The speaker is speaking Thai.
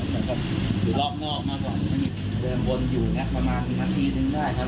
อยู่รอบมากกว่ามันเดินบนอยู่น่ะประมาณ๑๐นาทีนึงได้ครับ